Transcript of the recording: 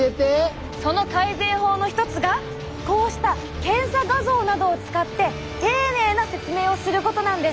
その改善法の一つがこうした検査画像などを使って丁寧な説明をすることなんです。